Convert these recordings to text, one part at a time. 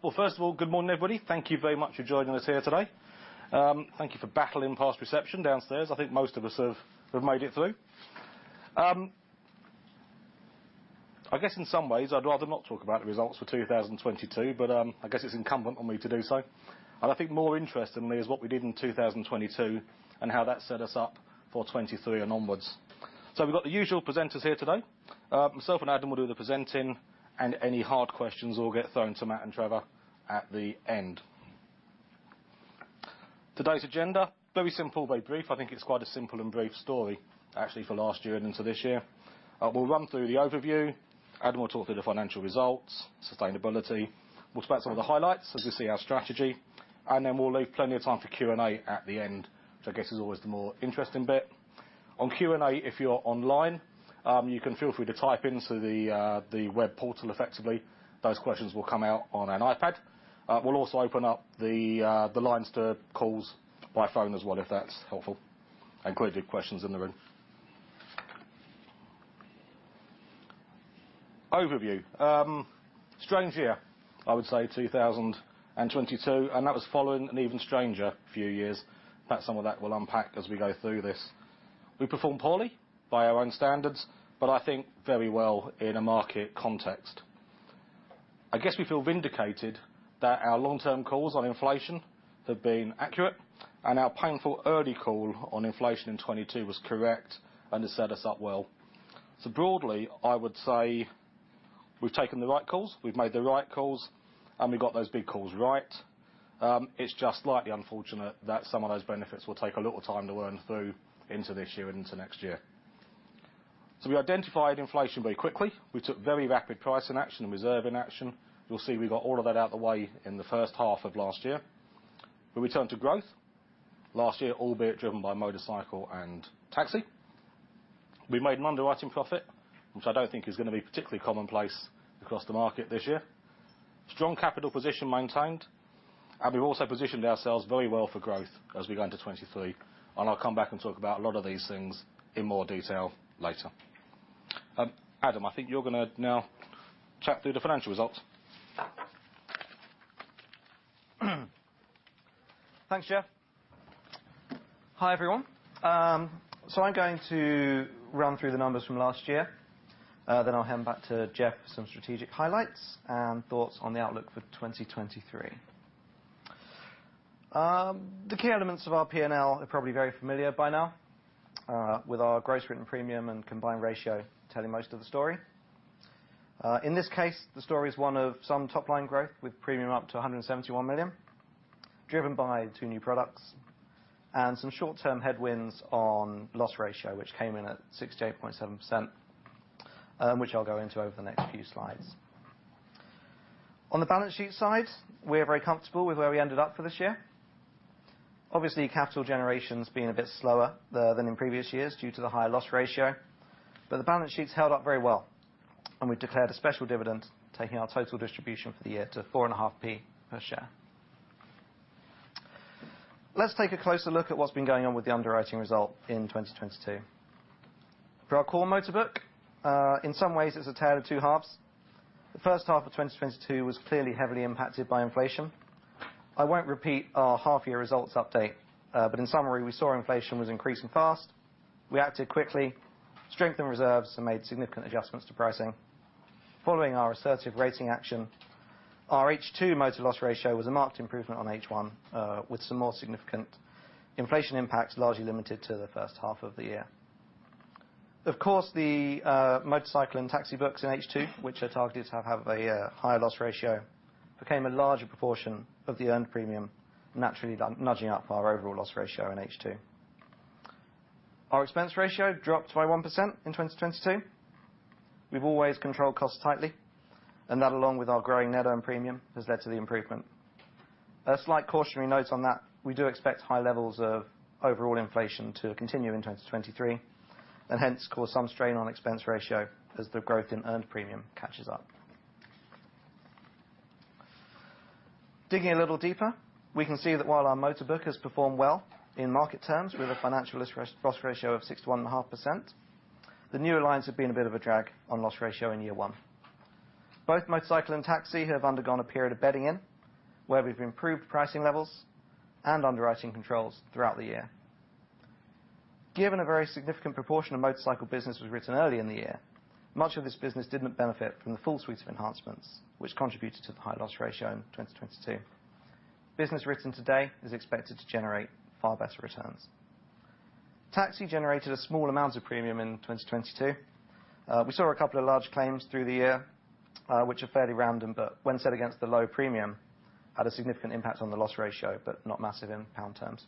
Well, first of all, good morning, everybody. Thank you very much for joining us here today. Thank you for battling past reception downstairs. I think most of us have made it through. I guess in some ways I'd rather not talk about the results for 2022, but I guess it's incumbent on me to do so. I think more interestingly is what we did in 2022 and how that set us up for 2023 and onwards. We've got the usual presenters here today. Myself and Adam will do the presenting and any hard questions will get thrown to Matt and Trevor at the end. Today's agenda, very simple, very brief. I think it's quite a simple and brief story actually for last year and into this year. We'll run through the overview. Adam will talk through the financial results, sustainability. We'll spotlight some of the highlights as we see our strategy. We'll leave plenty of time for Q&A at the end, which I guess is always the more interesting bit. On Q&A, if you're online, you can feel free to type into the web portal effectively. Those questions will come out on an iPad. We'll also open up the lines to calls by phone as well, if that's helpful. Query your questions in the room. Overview. Strange year, I would say, 2022, and that was following an even stranger few years. Perhaps some of that we'll unpack as we go through this. We performed poorly by our own standards. I think very well in a market context. I guess we feel vindicated that our long-term calls on inflation have been accurate. Our painful early call on inflation in 2022 was correct and has set us up well. Broadly, I would say we've taken the right calls, we've made the right calls, and we got those big calls right. It's just slightly unfortunate that some of those benefits will take a little time to earn through into this year and into next year. We identified inflation very quickly. We took very rapid pricing action and reserve in action. You'll see we got all of that out the way in the first half of last year. We returned to growth last year, albeit driven by motorcycle and taxi. We made an underwriting profit, which I don't think is gonna be particularly commonplace across the market this year. Strong capital position maintained, and we've also positioned ourselves very well for growth as we go into 2023. I'll come back and talk about a lot of these things in more detail later. Adam, I think you're gonna now chat through the financial results. Thanks, Geoff. Hi, everyone. I'm going to run through the numbers from last year, then I'll hand back to Geoff for some strategic highlights and thoughts on the outlook for 2023. The key elements of our P&L are probably very familiar by now, with our gross written premium and combined ratio telling most of the story. In this case, the story is one of some top-line growth with premium up to 171 million, driven by 2 new products and some short-term headwinds on loss ratio, which came in at 68.7%, which I'll go into over the next few slides. On the balance sheet side, we are very comfortable with where we ended up for this year. Obviously, capital generation's been a bit slower, than in previous years due to the higher loss ratio. The balance sheet's held up very well. We declared a special dividend taking our total distribution for the year to four and a half P per share. Let's take a closer look at what's been going on with the underwriting result in 2022. For our core motor book, in some ways it's a tale of two halves. The first half of 2022 was clearly heavily impacted by inflation. I won't repeat our half-year results update. In summary, we saw inflation was increasing fast. We acted quickly, strengthened reserves, and made significant adjustments to pricing. Following our assertive rating action, our H2 motor loss ratio was a marked improvement on H1, with some more significant inflation impacts largely limited to the first half of the year. Of course, the motorcycle and taxi books in H2, which are targeted to have a higher loss ratio, became a larger proportion of the earned premium, naturally nudging up our overall loss ratio in H2. Our expense ratio dropped by 1% in 2022. We've always controlled costs tightly, and that, along with our growing net earned premium, has led to the improvement. A slight cautionary note on that, we do expect high levels of overall inflation to continue in 2023 and hence cause some strain on expense ratio as the growth in earned premium catches up. Digging a little deeper, we can see that while our motor book has performed well in market terms with a financial loss ratio of 61.5%, the new lines have been a bit of a drag on loss ratio in year one. Both motorcycle and taxi have undergone a period of bedding in, where we've improved pricing levels and underwriting controls throughout the year. Given a very significant proportion of motorcycle business was written early in the year, much of this business didn't benefit from the full suite of enhancements, which contributed to the high loss ratio in 2022. Business written today is expected to generate far better returns. Taxi generated a small amount of premium in 2022. We saw a couple of large claims through the year, which are fairly random, but when set against the low premium, had a significant impact on the loss ratio, but not massive in GBP terms.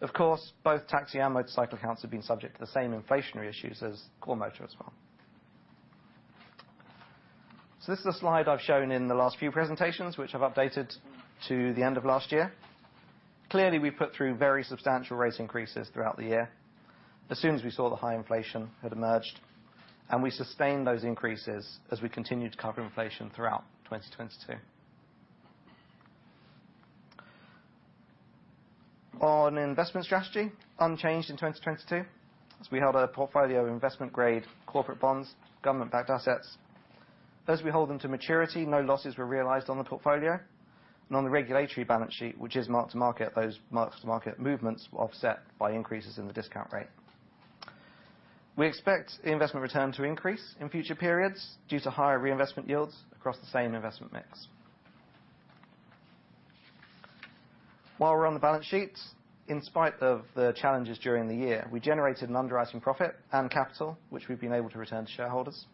Of course, both taxi and motorcycle accounts have been subject to the same inflationary issues as core motor as well. This is a slide I've shown in the last few presentations, which I've updated to the end of last year. Clearly, we put through very substantial rate increases throughout the year as soon as we saw the high inflation had emerged, and we sustained those increases as we continued to cover inflation throughout 2022. On investment strategy, unchanged in 2022. We held a portfolio of investment grade corporate bonds, government-backed assets. As we hold them to maturity, no losses were realized on the portfolio. On the regulatory balance sheet, which is market-to-market, those market-to-market movements were offset by increases in the discount rate. We expect the investment return to increase in future periods due to higher reinvestment yields across the same investment mix. While we're on the balance sheet, in spite of the challenges during the year, we generated an underwriting profit and capital, which we've been able to return to shareholders.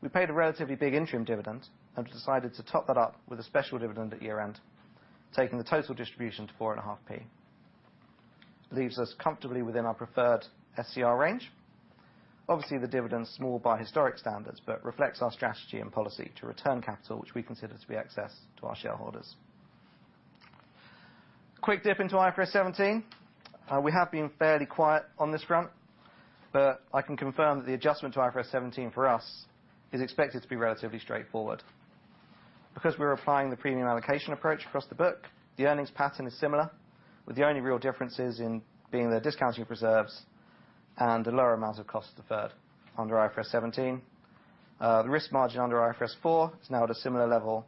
We paid a relatively big interim dividend and decided to top that up with a special dividend at year-end, taking the total distribution to four and a half p. Leaves us comfortably within our preferred SCR range. Obviously, the dividend's small by historic standards, but reflects our strategy and policy to return capital, which we consider to be excess to our shareholders. Quick dip into IFRS 17. We have been fairly quiet on this front. I can confirm that the adjustment to IFRS 17 for us is expected to be relatively straightforward. Because we're applying the Premium Allocation Approach across the book, the earnings pattern is similar, with the only real differences in being the discounting preserves and the lower amounts of cost deferred under IFRS 17. The risk margin under IFRS 4 is now at a similar level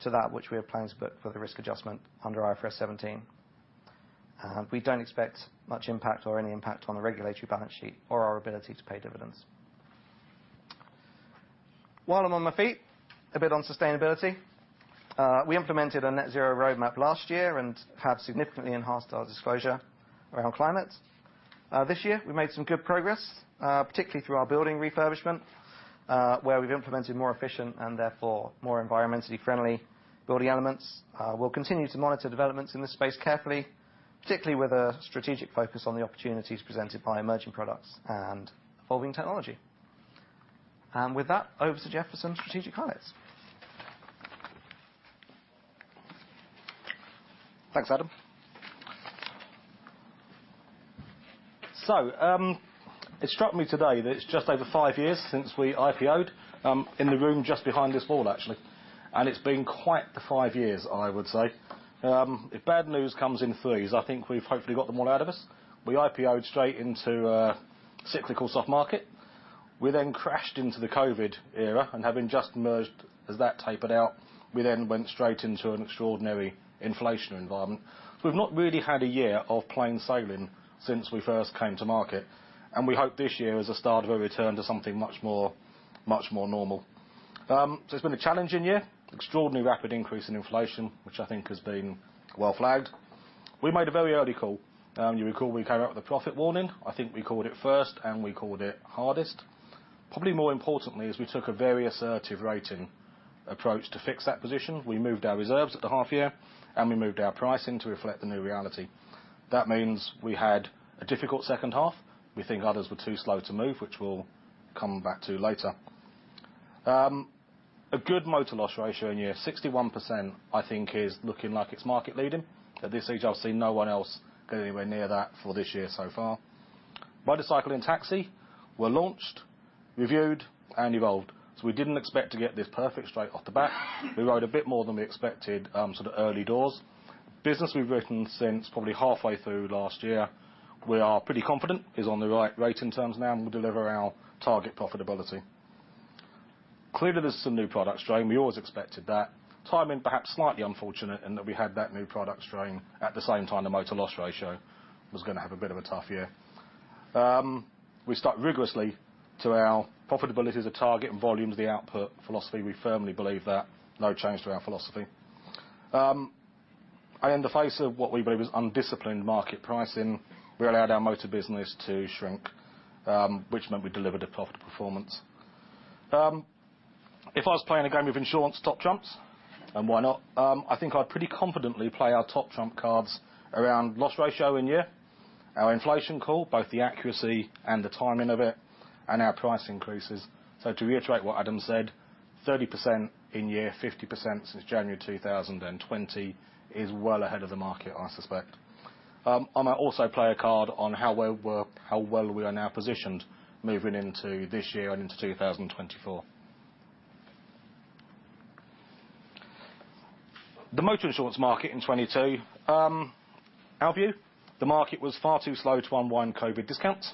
to that which we have planned for the risk adjustment under IFRS 17. We don't expect much impact or any impact on the regulatory balance sheet or our ability to pay dividends. While I'm on my feet, a bit on sustainability. We implemented a Net Zero Roadmap last year and have significantly enhanced our disclosure around climate. This year we made some good progress, particularly through our building refurbishment, where we've implemented more efficient and therefore more environmentally friendly building elements. We'll continue to monitor developments in this space carefully, particularly with a strategic focus on the opportunities presented by emerging products and evolving technology. With that, over to Geoff for some strategic highlights. Thanks, Adam. It struck me today that it's just over 5 years since we IPO'd in the room just behind this wall actually, and it's been quite the 5 years, I would say. If bad news comes in 3s, I think we've hopefully got them all out of us. We IPO'd straight into a cyclical soft market. We then crashed into the COVID era, and having just emerged as that tapered out, we then went straight into an extraordinary inflationary environment. We've not really had a year of plain sailing since we first came to market, and we hope this year is the start of a return to something much more normal. It's been a challenging year. Extraordinary rapid increase in inflation, which I think has been well flagged. We made a very early call. You recall we came out with a profit warning. I think we called it first and we called it hardest. Probably more importantly is we took a very assertive rating approach to fix that position. We moved our reserves at the half year, and we moved our pricing to reflect the new reality. That means we had a difficult second half. We think others were too slow to move, which we'll come back to later. A good motor loss ratio in year. 61%, I think, is looking like it's market leading. At this stage, I've seen no one else go anywhere near that for this year so far. Motorcycle and taxi were launched, reviewed and evolved. We didn't expect to get this perfect straight off the bat. We wrote a bit more than we expected, sort of early doors. Business we've written since probably halfway through last year, we are pretty confident is on the right rating terms now and will deliver our target profitability. Clearly, there's some new product strain. We always expected that. Timing perhaps slightly unfortunate in that we had that new product strain at the same time the motor loss ratio was gonna have a bit of a tough year. We stuck rigorously to our profitability as a target and volume as the output philosophy. We firmly believe that. No change to our philosophy. In the face of what we believe is undisciplined market pricing, we allowed our motor business to shrink, which meant we delivered a profit performance. If I was playing a game of insurance Top Trumps, and why not, I think I'd pretty confidently play our Top Trump cards around loss ratio in year, our inflation call, both the accuracy and the timing of it, and our price increases. To reiterate what Adam said, 30% in year, 50% since January 2020 is well ahead of the market, I suspect. I might also play a card on how well we are now positioned moving into this year and into 2024. The motor insurance market in 2022. Our view, the market was far too slow to unwind Covid discounts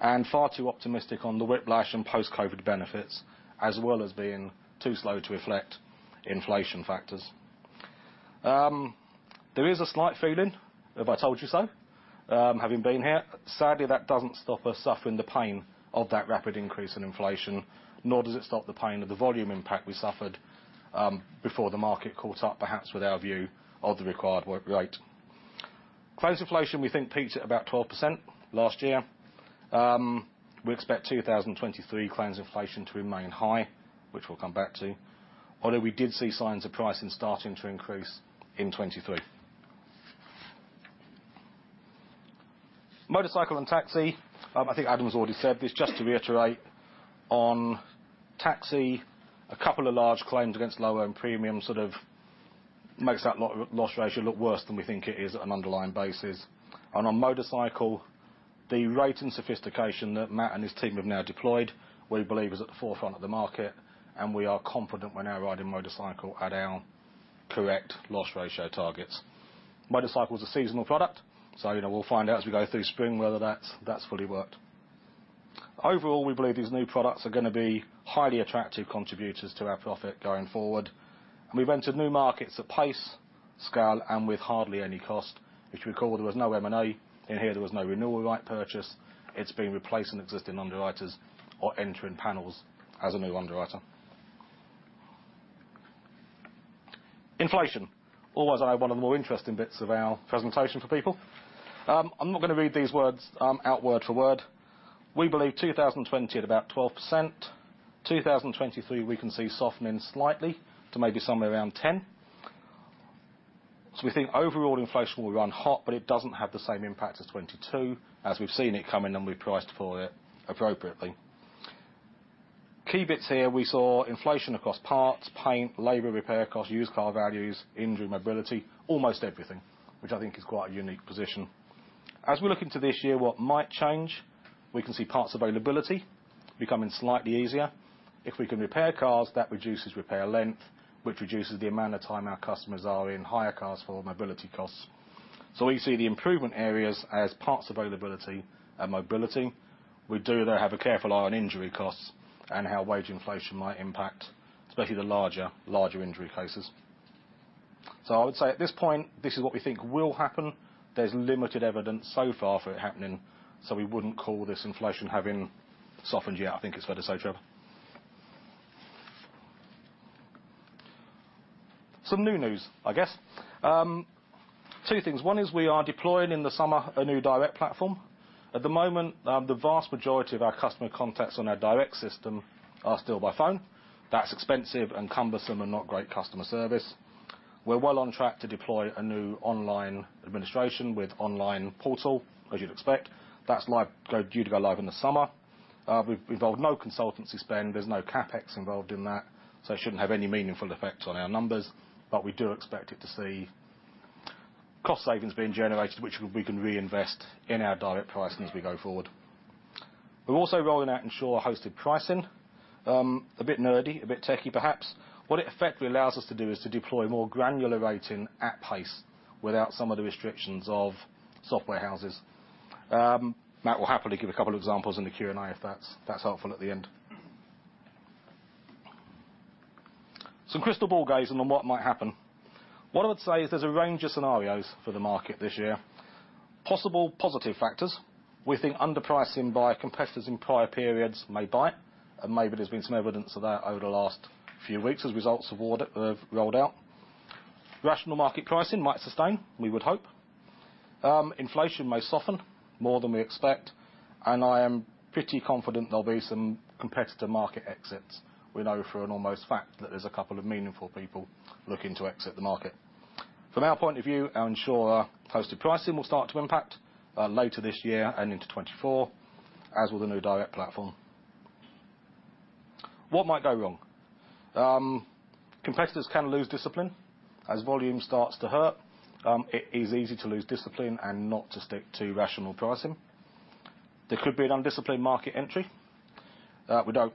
and far too optimistic on the whiplash and post-Covid benefits, as well as being too slow to reflect inflation factors. There is a slight feeling of, "I told you so," having been here. Sadly, that doesn't stop us suffering the pain of that rapid increase in inflation, nor does it stop the pain of the volume impact we suffered before the market caught up, perhaps with our view of the required work rate. Claims inflation, we think, peaked at about 12% last year. We expect 2023 claims inflation to remain high, which we'll come back to, although we did see signs of pricing starting to increase in 2023. Motorcycle and taxi, I think Adam's already said this. Just to reiterate, on taxi, a couple of large claims against low-end premium sort of makes that loss ratio look worse than we think it is on an underlying basis. The rate and sophistication that Matt and his team have now deployed, we believe is at the forefront of the market, and we are confident we're now riding motorcycle at our correct loss ratio targets. Motorcycle is a seasonal product, you know, we'll find out as we go through spring whether that's fully worked. Overall, we believe these new products are gonna be highly attractive contributors to our profit going forward. We've entered new markets at pace, scale, and with hardly any cost. If you recall, there was no M&A in here. There was no renewal right purchase. It's been replacing existing underwriters or entering panels as a new underwriter. Inflation. Always one of the more interesting bits of our presentation for people. I'm not gonna read these words out word for word. We believe 2020 at about 12%. 2023, we can see softening slightly to maybe somewhere around 10. We think overall inflation will run hot, but it doesn't have the same impact as 2022, as we've seen it coming and we priced for it appropriately. Key bits here, we saw inflation across parts, paint, labor, repair costs, used car values, injury, mobility, almost everything, which I think is quite a unique position. As we look into this year, what might change? We can see parts availability becoming slightly easier. If we can repair cars, that reduces repair length, which reduces the amount of time our customers are in hire cars for mobility costs. We see the improvement areas as parts availability and mobility. We do, though, have a careful eye on injury costs and how wage inflation might impact, especially the larger injury cases. I would say at this point, this is what we think will happen. There's limited evidence so far for it happening, so we wouldn't call this inflation having softened yet, I think it's fair to say, Trevor. Some new news, I guess. 2 things. One is we are deploying in the summer a new direct platform. At the moment, the vast majority of our customer contacts on our direct system are still by phone. That's expensive and cumbersome and not great customer service. We're well on track to deploy a new online administration with online portal, as you'd expect. That's due to go live in the summer. We've involved no consultancy spend. There's no CapEx involved in that, so it shouldn't have any meaningful effect on our numbers. We do expect it to see cost savings being generated, which we can reinvest in our direct pricing as we go forward. We're also rolling out Insurer-Hosted Pricing. A bit nerdy, a bit techy perhaps. What it effectively allows us to do is to deploy more granular rating at pace without some of the restrictions of software houses. Matt will happily give a couple examples in the Q&A if that's helpful at the end. Some crystal ball gazing on what might happen. What I would say is there's a range of scenarios for the market this year. Possible positive factors. We think underpricing by competitors in prior periods may bite, and maybe there's been some evidence of that over the last few weeks as results of audit have rolled out. Rational market pricing might sustain, we would hope. Inflation may soften more than we expect. I am pretty confident there'll be some competitor market exits. We know for an almost fact that there's a couple of meaningful people looking to exit the market. From our point of view, our Insurer-Hosted Pricing will start to impact later this year and into 2024, as with the new direct platform. What might go wrong? Competitors can lose discipline as volume starts to hurt. It is easy to lose discipline and not to stick to rational pricing. There could be an undisciplined market entry. We don't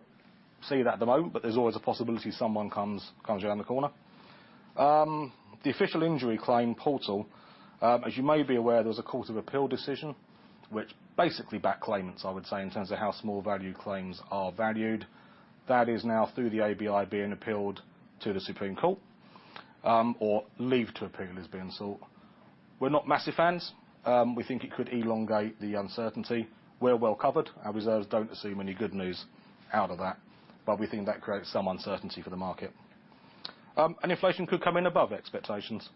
see that at the moment. There's always a possibility someone comes around the corner. The Official Injury Claim portal, as you may be aware, there was a Court of Appeal decision which basically backed claimants, I would say, in terms of how small value claims are valued. That is now through the ABI being appealed to the Supreme Court, or leave to appeal is being sought. We're not massive fans. We think it could elongate the uncertainty. We're well covered. Our reserves don't receive any good news out of that, but we think that creates some uncertainty for the market. Inflation could come in above expectations.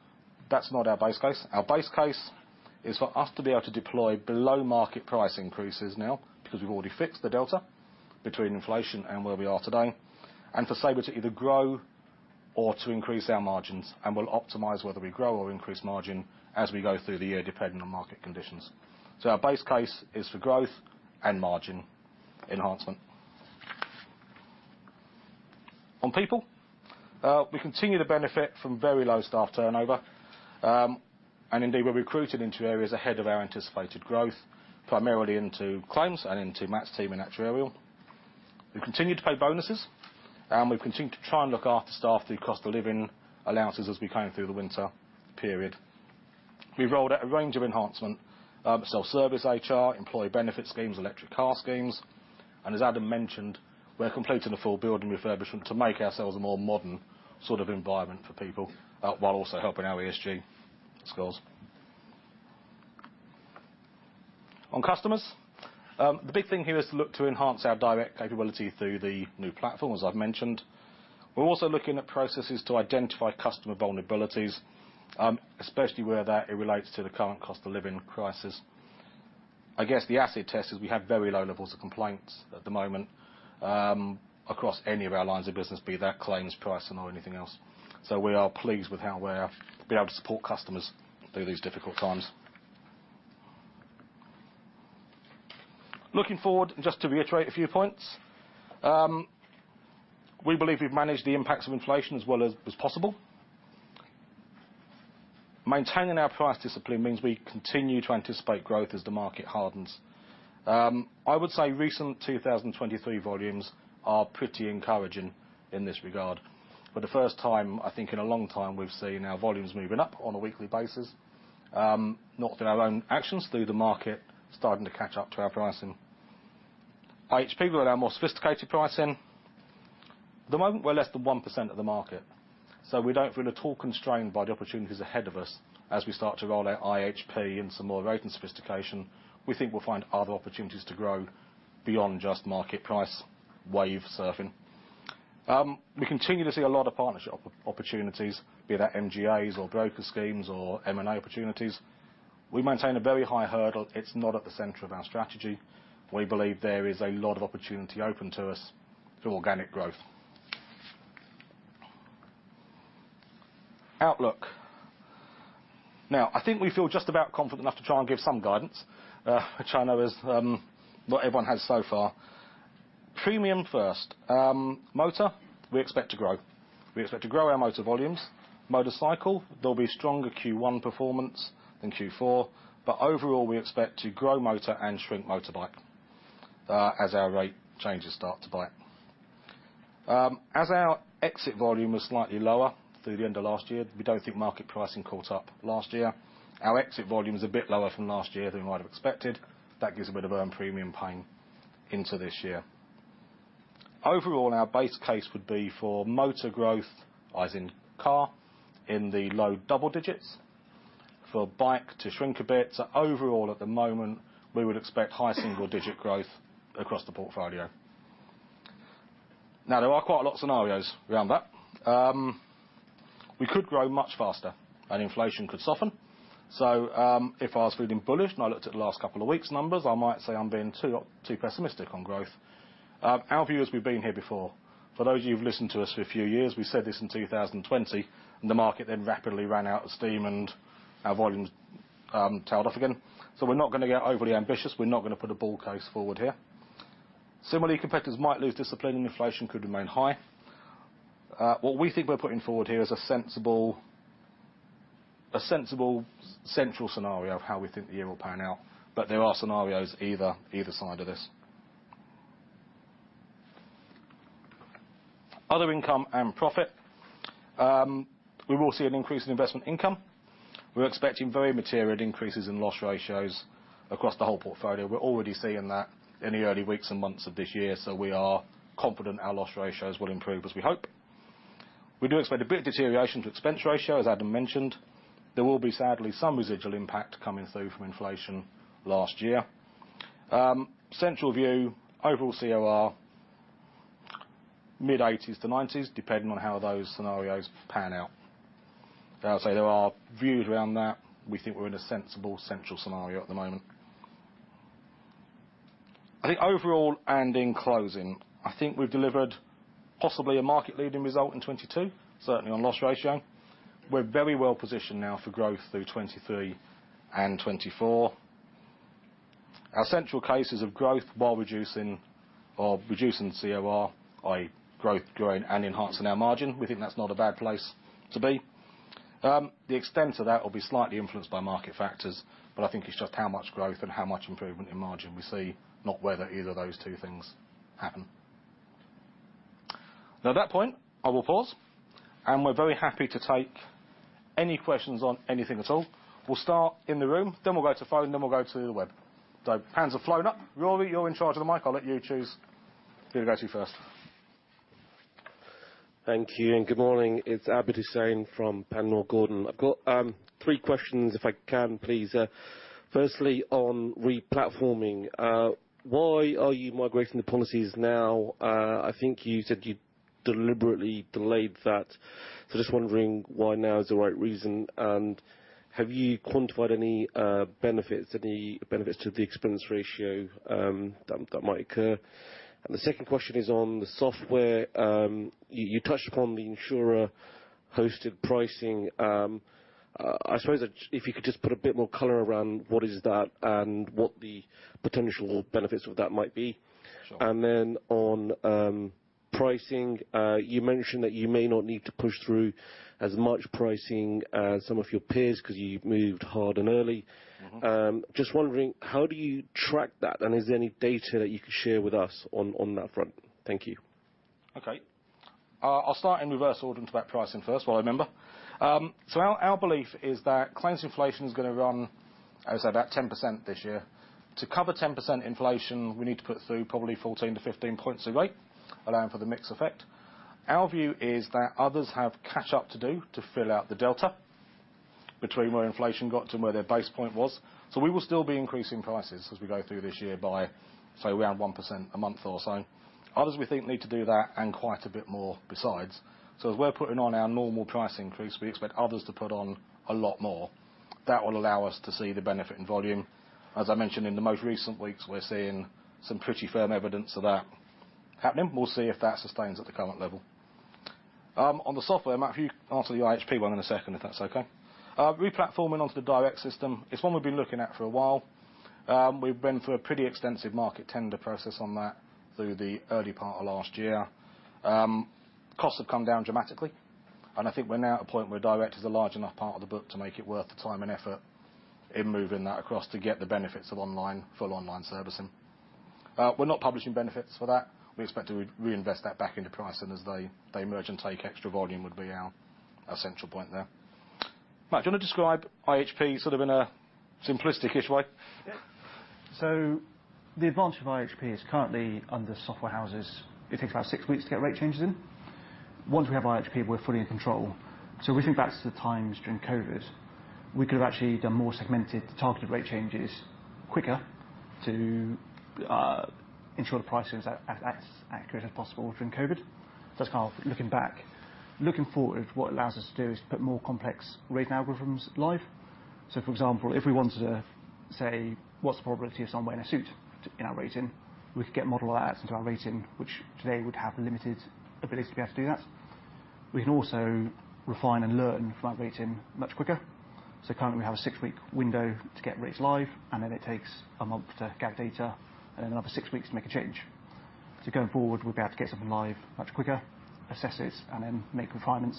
That's not our base case. Our base case is for us to be able to deploy below market price increases now, because we've already fixed the delta between inflation and where we are today, and for Sabre to either grow or to increase our margins, and we'll optimize whether we grow or increase margin as we go through the year, depending on market conditions. Our base case is for growth and margin enhancement. On people, we continue to benefit from very low staff turnover, and indeed, we recruited into areas ahead of our anticipated growth, primarily into claims and into Matt's team in actuarial. We continue to pay bonuses, and we continue to try and look after staff through cost of living allowances as we came through the winter period. We rolled out a range of enhancement, self-service HR, employee benefit schemes, electric car schemes, and as Adam mentioned, we're completing a full building refurbishment to make ourselves a more modern sort of environment for people, while also helping our ESG scores. On customers, the big thing here is to look to enhance our direct capability through the new platform, as I've mentioned. We're also looking at processes to identify customer vulnerabilities, especially where that it relates to the current cost of living crisis. I guess the acid test is we have very low levels of complaints at the moment, across any of our lines of business, be that claims, pricing or anything else. We are pleased with how we are being able to support customers through these difficult times. Looking forward, just to reiterate a few points, we believe we've managed the impacts of inflation as well as is possible. Maintaining our price discipline means we continue to anticipate growth as the market hardens. I would say recent 2023 volumes are pretty encouraging in this regard. For the first time, I think in a long time, we've seen our volumes moving up on a weekly basis, not through our own actions, through the market starting to catch up to our pricing. IHP with our more sophisticated pricing. At the moment, we're less than 1% of the market, we don't feel at all constrained by the opportunities ahead of us as we start to roll out IHP and some more rating sophistication. We think we'll find other opportunities to grow beyond just market price wave surfing. We continue to see a lot of partnership opportunities, be that MGAs or broker schemes or M&A opportunities. We maintain a very high hurdle. It's not at the center of our strategy. We believe there is a lot of opportunity open to us through organic growth. Outlook. I think we feel just about confident enough to try and give some guidance, which I know is what everyone has so far. Premium first. Motor, we expect to grow. We expect to grow our motor volumes. Motorcycle, there'll be stronger Q1 performance than Q4. Overall, we expect to grow motor and shrink motorbike, as our rate changes start to bite. As our exit volume was slightly lower through the end of last year, we don't think market pricing caught up last year. Our exit volume is a bit lower from last year than we might have expected. That gives a bit of earned premium paying into this year. Overall, our base case would be for motor growth, as in car, in the low double digits, for bike to shrink a bit. Overall, at the moment, we would expect high single-digit growth across the portfolio. There are quite a lot of scenarios around that. We could grow much faster and inflation could soften. If I was feeling bullish, and I looked at the last couple of weeks' numbers, I might say I'm being too pessimistic on growth. Our view is we've been here before. For those of you who've listened to us for a few years, we said this in 2020, the market then rapidly ran out of steam and our volumes tailed off again. We're not gonna get overly ambitious. We're not gonna put a bull case forward here. Similarly, competitors might lose discipline, inflation could remain high. What we think we're putting forward here is a sensible central scenario of how we think the year will pan out, there are scenarios either side of this. Other income and profit. We will see an increase in investment income. We're expecting very material increases in loss ratios across the whole portfolio. We're already seeing that in the early weeks and months of this year, we are confident our loss ratios will improve as we hope. We do expect a bit of deterioration to expense ratio, as Adam mentioned. There will be, sadly, some residual impact coming through from inflation last year. central view, overall COR mid-80s% to 90s%, depending on how those scenarios pan out. As I say, there are views around that. We think we're in a sensible central scenario at the moment. I think overall and in closing, I think we've delivered possibly a market-leading result in 2022, certainly on loss ratio. We're very well positioned now for growth through 2023 and 2024. Our central case is of growth while reducing COR, i.e., growth growing and enhancing our margin. We think that's not a bad place to be. The extent of that will be slightly influenced by market factors, I think it's just how much growth and how much improvement in margin we see, not whether either of those two things happen. At that point, I will pause, we're very happy to take any questions on anything at all. We'll start in the room, we'll go to phone, we'll go to the web. Hands have flown up. Rory, you're in charge of the mic. I'll let you choose who to go to first. Thank you. Good morning. It's Abid Hussain from Panmure Gordon. I've got three questions if I can, please. Firstly, on replatforming, why are you migrating the policies now? I think you said you deliberately delayed that. Just wondering why now is the right reason? Have you quantified any benefits, any benefits to the expense ratio that might occur? The second question is on the software. You touched upon the Insurer-Hosted Pricing. I suppose if you could just put a bit more color around what is that and what the potential benefits of that might be? Sure. On pricing, you mentioned that you may not need to push through as much pricing as some of your peers 'cause you've moved hard and early. Just wondering, how do you track that? Is there any data that you could share with us on that front? Thank you. Okay. I'll start in reverse order into that pricing first, while I remember. Our belief is that claims inflation is gonna run, I would say, about 10% this year. To cover 10% inflation, we need to put through probably 14-15 points of rate, allowing for the mix effect. Our view is that others have catch-up to do to fill out the delta between where inflation got to and where their base point was. We will still be increasing prices as we go through this year by, say, around 1% a month or so. Others, we think, need to do that and quite a bit more besides. As we're putting on our normal price increase, we expect others to put on a lot more. That will allow us to see the benefit in volume. As I mentioned, in the most recent weeks, we're seeing some pretty firm evidence of that happening. We'll see if that sustains at the current level. On the software mark, if you answer the IHP one in a second, if that's okay. Replatforming onto the direct system, it's one we've been looking at for a while. We've been through a pretty extensive market tender process on that through the early part of last year. Costs have come down dramatically, and I think we're now at a point where direct is a large enough part of the book to make it worth the time and effort in moving that across to get the benefits of online, full online servicing. We're not publishing benefits for that. We expect to reinvest that back into pricing as they emerge and take extra volume, would be our central point there. Matt, do you wanna describe IHP sort of in a simplistic-ish way? Yeah. The advantage of IHP is currently under software houses. It takes about 6 weeks to get rate changes in. Once we have IHP, we're fully in control. We think back to the times during COVID, we could have actually done more segmented targeted rate changes quicker to ensure the pricing is as accurate as possible during COVID. That's kind of looking back. Looking forward, what it allows us to do is put more complex rating algorithms live. For example, if we wanted to say, "What's the probability of someone in a suit?" to, in our rating, we could get model adds into our rating, which today would have limited ability to be able to do that. We can also refine and learn from our rating much quicker. Currently we have a 6-week window to get rates live, and then it takes 1 month to get data and another 6 weeks to make a change. Going forward, we'll be able to get something live much quicker, assess it, and then make refinements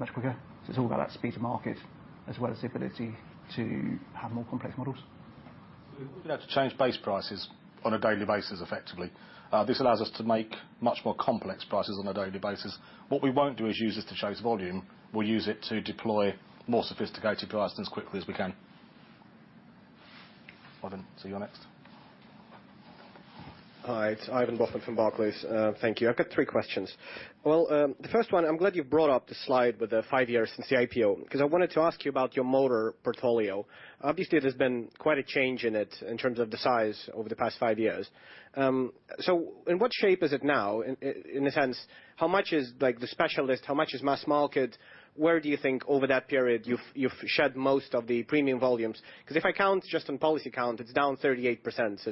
much quicker. It's all about that speed to market as well as the ability to have more complex models. We have to change base prices on a daily basis, effectively. This allows us to make much more complex prices on a daily basis. What we won't do is use this to chase volume. We'll use it to deploy more sophisticated pricing as quickly as we can. Ivan, you're next. Hi. It's Ivan Bokhmat from Barclays. Thank you. I've got 3 questions. Well, the first one, I'm glad you've brought up the slide with the 5 years since the IPO, 'cause I wanted to ask you about your motor portfolio. Obviously, there's been quite a change in it in terms of the size over the past 5 years. So in what shape is it now? In a sense, how much is, like, the specialist, how much is mass market? Where do you think over that period you've shed most of the premium volumes? 'Cause if I count just on policy count, it's down 38%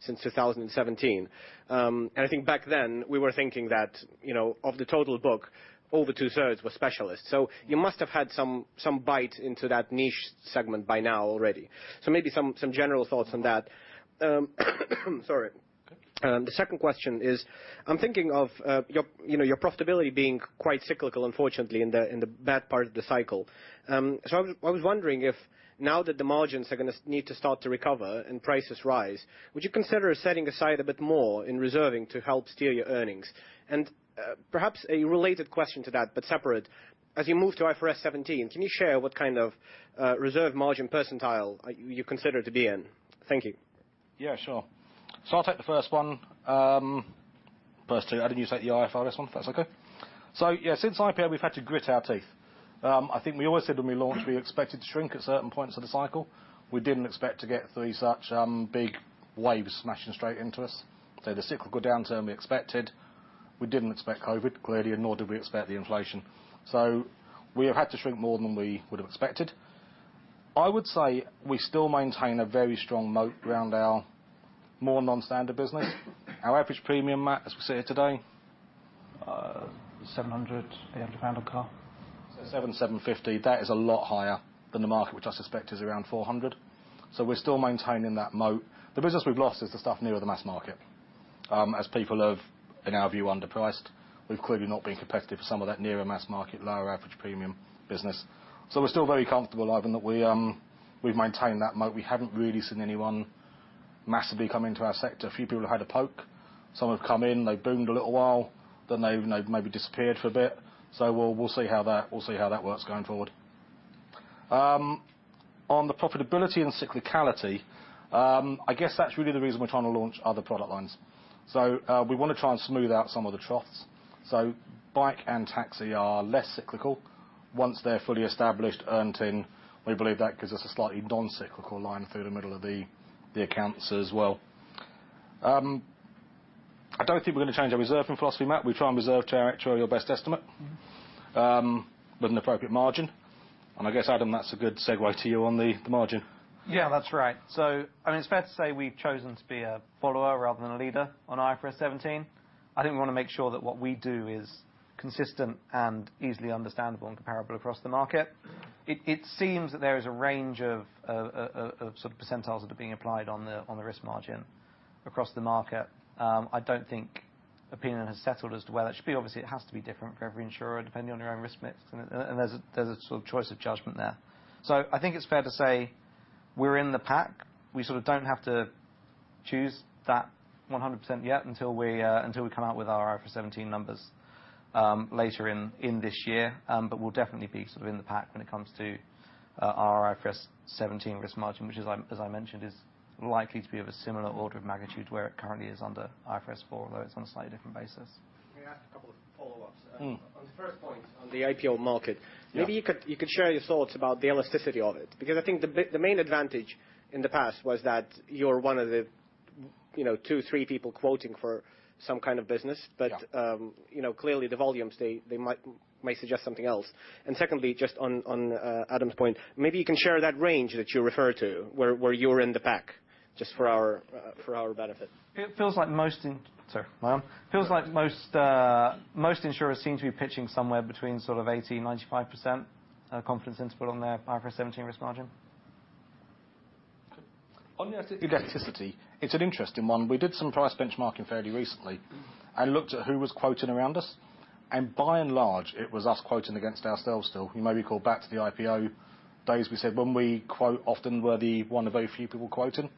since 2017. I think back then we were thinking that, you know, of the total book, over 2/3 were specialists. You must have had some bite into that niche segment by now already. Maybe some general thoughts on that. Sorry. The second question is, I'm thinking of your, you know, your profitability being quite cyclical, unfortunately in the bad part of the cycle. I was wondering if now that the margins are gonna need to start to recover and prices rise, would you consider setting aside a bit more in reserving to help steer your earnings? Perhaps a related question to that, but separate, as you move to IFRS 17, can you share what kind of reserve margin percentile you consider to be in? Thank you. Yeah, sure. I'll take the first one. First two. Adam, you take the IFRS one, if that's okay. Yeah, since IPO, we've had to grit our teeth. I think we always said when we launched we expected to shrink at certain points of the cycle. We didn't expect to get three such big waves smashing straight into us. The cyclical downturn we expected. We didn't expect COVID, clearly, and nor did we expect the inflation. We have had to shrink more than we would have expected. I would say we still maintain a very strong moat around our more nonstandard business. Our average premium, Matt, as we sit here today... 700-800 pound a car. 7, 750. That is a lot higher than the market, which I suspect is around 400. We're still maintaining that moat. The business we've lost is the stuff nearer the mass market, as people have, in our view, underpriced. We've clearly not been competitive for some of that nearer mass market, lower average premium business. We're still very comfortable, Ivan, that we've maintained that moat. We haven't really seen anyone massively come into our sector. A few people have had a poke. Some have come in, they boomed a little while, then they've maybe disappeared for a bit. We'll see how that works going forward. On the profitability and cyclicality, I guess that's really the reason we're trying to launch other product lines. We wanna try and smooth out some of the troughs. Bike and taxi are less cyclical. Once they're fully established, earning, we believe that gives us a slightly non-cyclical line through the middle of the accounts as well. I don't think we're going to change our reserving philosophy, Matt. We try and reserve to our actuarial best estimate with an appropriate margin. I guess, Adam, that's a good segue to you on the margin. Yeah, that's right. I mean, it's fair to say we've chosen to be a follower rather than a leader on IFRS 17. I think we wanna make sure that what we do is consistent and easily understandable and comparable across the market. It seems that there is a range of sort of percentiles that are being applied on the risk margin across the market. I don't think opinion has settled as to where that should be. Obviously, it has to be different for every insurer, depending on your own risk mix, and there's a sort of choice of judgment there. I think it's fair to say we're in the pack. We sort of don't have to choose that 100% yet until we until we come out with our IFRS 17 numbers later in this year. We'll definitely be sort of in the pack when it comes to our IFRS 17 risk margin, which as I mentioned, is likely to be of a similar order of magnitude where it currently is under IFRS 4, although it's on a slightly different basis. May I ask a couple of follow-ups? Mm-hmm. On the first point, on the IPO market. Yeah ...maybe you could share your thoughts about the elasticity of it, because I think the main advantage in the past was that you're one of the, you know, two, three people quoting for some kind of business. Yeah. You know, clearly the volumes, they may suggest something else. Secondly, just on, Adam's point, maybe you can share that range that you refer to where you're in the pack, just for our, for our benefit. Sorry, my mic? Feels like most insurers seem to be pitching somewhere between sort of 80-95% confidence interval on their IFRS 17 risk margin. On the elasticity, it's an interesting one. We did some price benchmarking fairly recently and looked at who was quoting around us. By and large, it was us quoting against ourselves still. You may recall back to the IPO days, we said when we quote often we're the one of very few people quoting.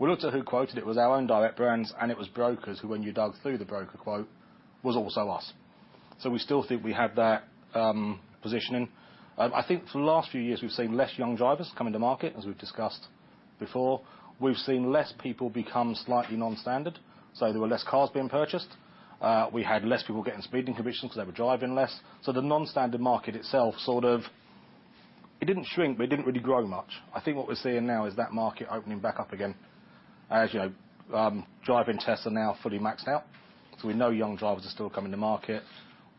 We looked at who quoted, it was our own direct brands, and it was brokers who when you dug through the broker quote, was also us. We still think we have that positioning. I think for the last few years, we've seen less young drivers come into market, as we've discussed before. We've seen less people become slightly non-standard, so there were less cars being purchased. We had less people getting speeding convictions 'cause they were driving less. The non-standard market itself sort of... It didn't shrink, but it didn't really grow much. I think what we're seeing now is that market opening back up again. As you know, driving tests are now fully maxed out. We know young drivers are still coming to market.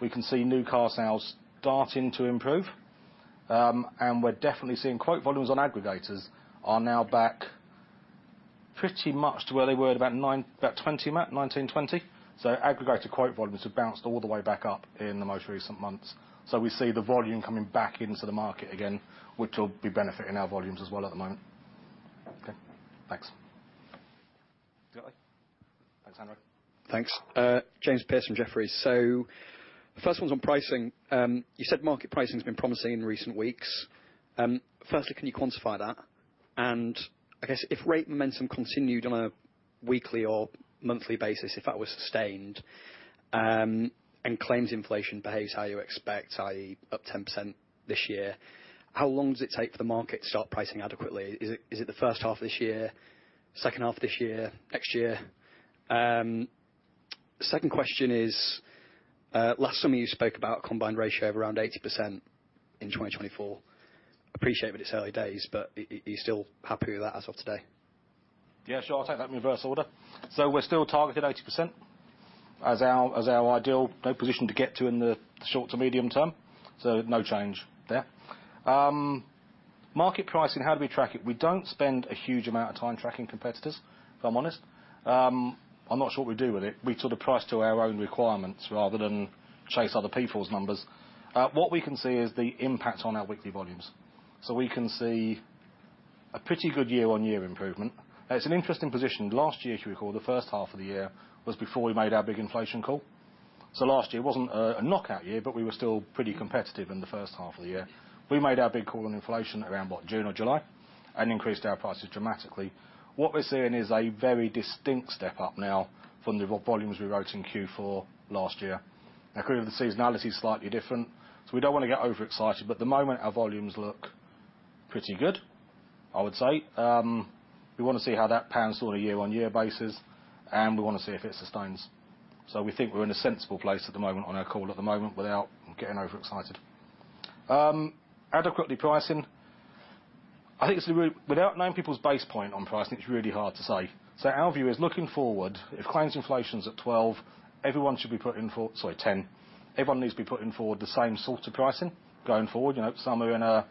We can see new car sales starting to improve. We're definitely seeing quote volumes on aggregators are now back pretty much to where they were at about 2020, Matt, 2019, 2020. Aggregator quote volumes have bounced all the way back up in the most recent months. We see the volume coming back into the market again, which will be benefiting our volumes as well at the moment. Okay, thanks. Exactly. Thanks, Adam. Thanks. James Pearce from Jefferies. First one's on pricing. You said market pricing has been promising in recent weeks. Firstly, can you quantify that? I guess if rate momentum continued on a weekly or monthly basis, if that was sustained, and claims inflation behaves how you expect, i.e., up 10% this year, how long does it take for the market to start pricing adequately? Is it the first half this year, second half this year, next year? Second question is, last time you spoke about combined ratio of around 80% in 2024. Appreciate that it's early days, are you still happy with that as of today? Yeah, sure. I'll take that in reverse order. We're still targeted 80% as our ideal position to get to in the short to medium term. No change there. Market pricing, how do we track it? We don't spend a huge amount of time tracking competitors, if I'm honest. I'm not sure what we do with it. We sort of price to our own requirements rather than chase other people's numbers. What we can see is the impact on our weekly volumes. We can see a pretty good year-over-year improvement. It's an interesting position. Last year, if you recall, the first half of the year was before we made our big inflation call. Last year wasn't a knockout year, but we were still pretty competitive in the first half of the year. We made our big call on inflation around what, June or July, and increased our prices dramatically. What we're seeing is a very distinct step up now from the volumes we wrote in Q4 last year. Agree that the seasonality is slightly different, so we don't want to get overexcited, but at the moment, our volumes look pretty good, I would say. We wanna see how that pans on a year-on-year basis, and we wanna see if it sustains. We think we're in a sensible place at the moment on our call at the moment without getting overexcited. Adequately pricing. I think it's the real, without knowing people's base point on pricing, it's really hard to say. Our view is looking forward, if claims inflation is at 12, everyone should be putting Sorry, 10. Everyone needs to be putting forward the same sort of pricing going forward. You know, some are in a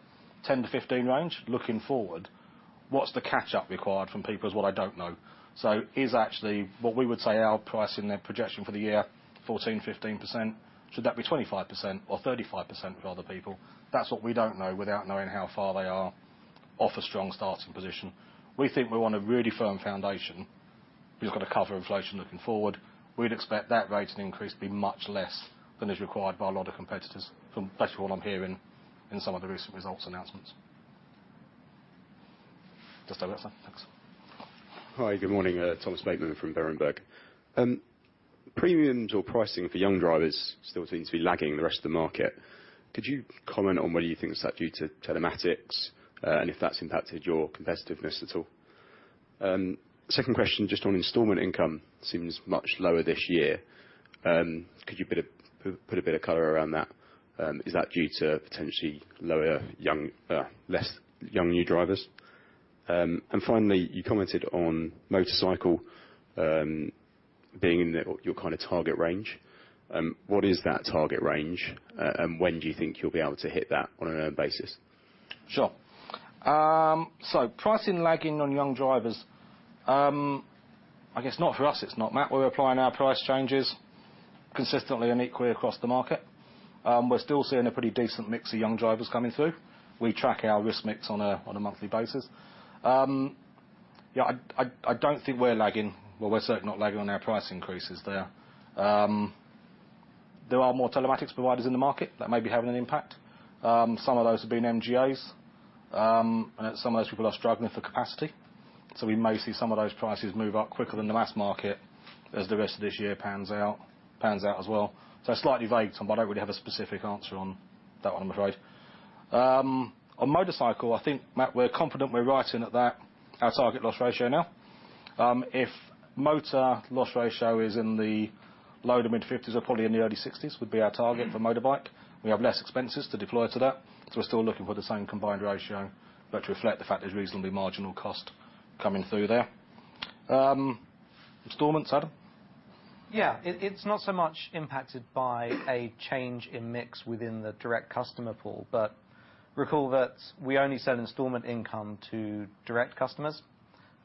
10%-15% range looking forward. What's the catch up required from people is what I don't know. Is actually what we would say our pricing, their projection for the year, 14%, 15%. Should that be 25% or 35% for other people? That's what we don't know without knowing how far they are off a strong starting position. We think we're on a really firm foundation. We've got to cover inflation looking forward. We'd expect that rate of increase to be much less than is required by a lot of competitors, from basically what I'm hearing in some of the recent results announcements. Just over, sir. Thanks. Hi, good morning. Thomas Bateman from Berenberg. Premiums or pricing for young drivers still seems to be lagging the rest of the market. Could you comment on whether you think it's that due to telematics, and if that's impacted your competitiveness at all? Second question, just on installment income seems much lower this year. Could you put a bit of color around that? Is that due to potentially lower young, less young new drivers? Finally, you commented on motorcycle, being in the, your kinda target range. What is that target range? When do you think you'll be able to hit that on an earned basis? Sure. Pricing lagging on young drivers. I guess not for us, it's not, Matt. We're applying our price changes consistently and equally across the market. We're still seeing a pretty decent mix of young drivers coming through. We track our risk mix on a monthly basis. Yeah, I don't think we're lagging. Well, we're certainly not lagging on our price increases there. There are more telematics providers in the market that may be having an impact. Some of those have been MGAs. Some of those people are struggling for capacity. We may see some of those prices move up quicker than the mass market as the rest of this year pans out as well. Slightly vague, Tom. I don't really have a specific answer on that one, I'm afraid. On motorcycle, I think, Matt, we're confident we're writing at that, our target loss ratio now. If motor loss ratio is in the low to mid-50s or probably in the early 60s would be our target for motorbike. We have less expenses to deploy to that, so we're still looking for the same combined ratio, but to reflect the fact there's reasonably marginal cost coming through there. Installments, Adam. Yeah. It's not so much impacted by a change in mix within the direct customer pool. Recall that we only sell installment income to direct customers.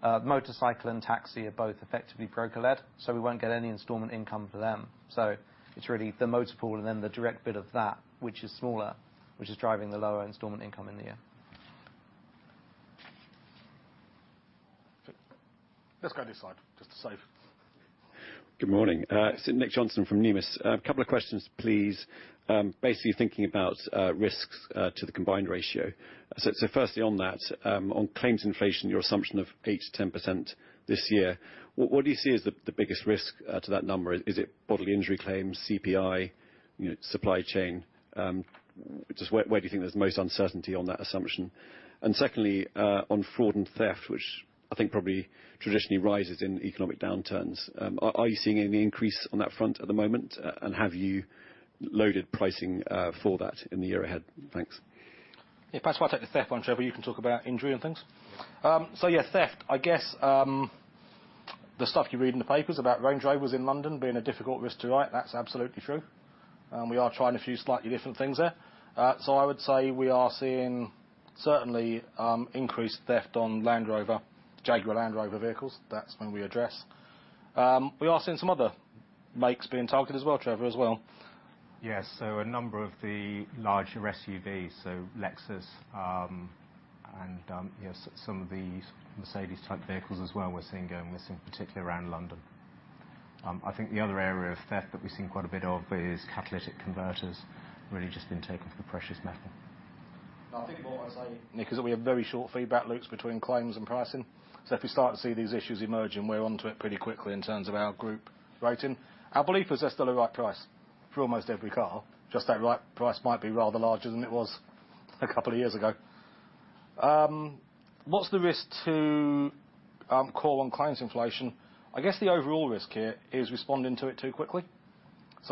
Motorcycle and taxi are both effectively broker-led, so we won't get any installment income for them. It's really the motor pool and then the direct bit of that, which is smaller, which is driving the lower installment income in the year. Let's go this side, just to save. Good morning. It's Nick Johnson from Numis. A couple of questions, please. Basically thinking about risks to the combined ratio. Firstly on that, on claims inflation, your assumption of 8%-10% this year, what do you see as the biggest risk to that number? Is it bodily injury claims, CPI, you know, supply chain? Just where do you think there's most uncertainty on that assumption? Secondly, on fraud and theft, which I think probably traditionally rises in economic downturns, are you seeing any increase on that front at the moment? Have you loaded pricing for that in the year ahead? Thanks. Perhaps if I take the theft one, Trevor, you can talk about injury and things. Theft. I guess the stuff you read in the papers about Range Rovers in London being a difficult risk to write, that's absolutely true. We are trying a few slightly different things there. I would say we are seeing certainly increased theft on Land Rover, Jaguar Land Rover vehicles. That's one we address. We are seeing some other makes being targeted as well, Trevor, as well. Yes, a number of the larger SUVs, so Lexus, and, you know, some of the Mercedes-Benz type vehicles as well, we're seeing going missing, particularly around London. I think the other area of theft that we've seen quite a bit of is catalytic converters really just being taken for the precious metal. I think what I'd say, Nick, is that we have very short feedback loops between claims and pricing. If we start to see these issues emerging, we're onto it pretty quickly in terms of our group rating. Our belief is they're still the right price for almost every car, just that right price might be rather larger than it was a couple of years ago. What's the risk to call on claims inflation? I guess the overall risk here is responding to it too quickly.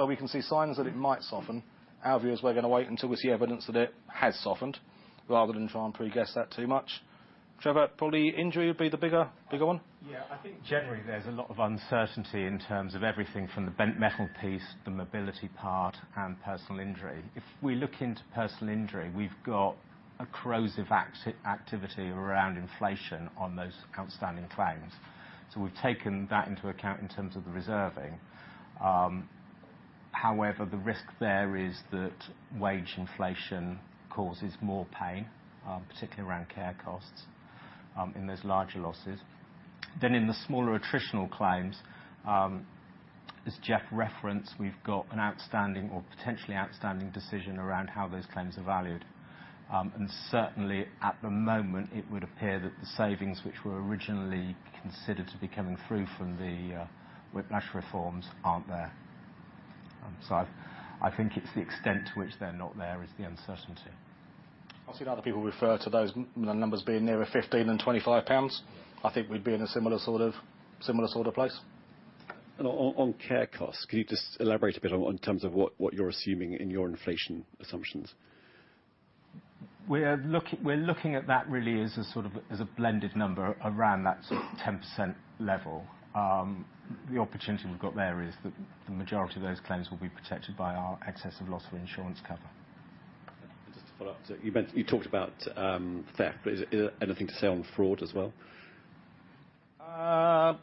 We can see signs that it might soften. Our view is we're gonna wait until we see evidence that it has softened rather than try and pre-guess that too much. Trevor, probably injury would be the bigger one. Yeah. I think generally there's a lot of uncertainty in terms of everything from the bent metal piece, the mobility part, and personal injury. If we look into personal injury, we've got a corrosive activity around inflation on those outstanding claims. We've taken that into account in terms of the reserving. However, the risk there is that wage inflation causes more pain, particularly around care costs, in those larger losses. In the smaller attritional claims, as Geoff referenced, we've got an outstanding or potentially outstanding decision around how those claims are valued. And certainly at the moment it would appear that the savings which were originally considered to be coming through from the Whiplash Reforms aren't there. I think it's the extent to which they're not there is the uncertainty. I've seen other people refer to those numbers being nearer 15 than 25 pounds. I think we'd be in a similar sort of place. On care costs, can you just elaborate a bit on, in terms of what you're assuming in your inflation assumptions? We're looking at that really as a sort of, as a blended number around that sort of 10% level. The opportunity we've got there is that the majority of those claims will be protected by our excess of loss insurance cover. Just to follow up to, you talked about, theft, but is there anything to say on fraud as well? Uh...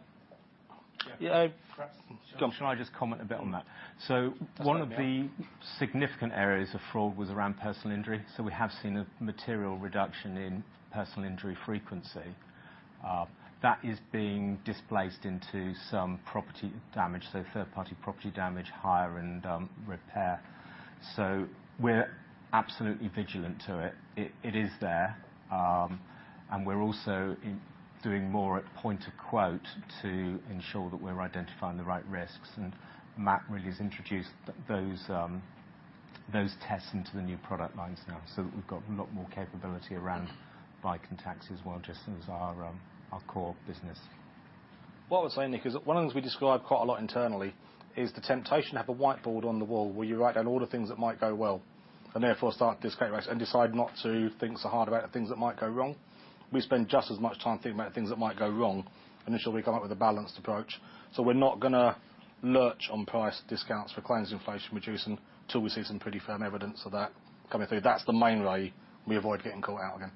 Yeah. Perhaps. Shall I just comment a bit on that? That's all right, yeah. One of the significant areas of fraud was around personal injury, so we have seen a material reduction in personal injury frequency. That is being displaced into some property damage, so third-party property damage, hire, and repair. We're absolutely vigilant to it. It, it is there. We're also doing more at point of quote to ensure that we're identifying the right risks. Matt really has introduced those tests into the new product lines now. We've got a lot more capability around bike and taxi as well, just as our core business. What I would say, Nick, is one of the things we describe quite a lot internally is the temptation to have a whiteboard on the wall where you write down all the things that might go well, and therefore start a discount race, and decide not to think so hard about the things that might go wrong. We spend just as much time thinking about the things that might go wrong, and usually we come up with a balanced approach. We're not gonna lurch on price discounts for claims inflation reducing till we see some pretty firm evidence of that coming through. That's the main way we avoid getting caught out again.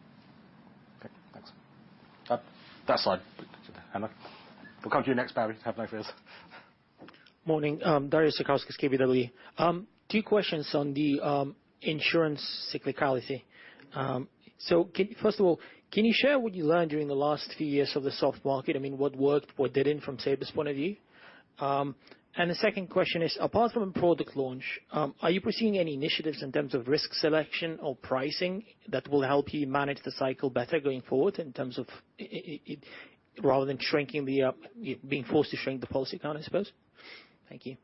Okay, thanks. That side. Hannah. We'll come to you next, Barry. Have no fears. Morning. Darius Satkauskas, KBW. Two questions on the insurance cyclicality. First of all, can you share what you learned during the last few years of the soft market? I mean, what worked, what didn't from Sabre's point of view? The second question is, apart from a product launch, are you pursuing any initiatives in terms of risk selection or pricing that will help you manage the cycle better going forward in terms of it rather than shrinking the being forced to shrink the policy count, I suppose? Thank you.